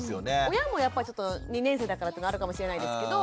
親もやっぱり２年生だからっていうのあるかもしれないですけど。